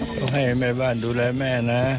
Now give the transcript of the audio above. ต้องให้แม่บ้านดูแลแม่นะ